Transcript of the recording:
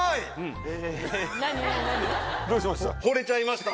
どうしました？